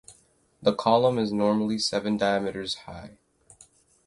The column is normally seven diameters high.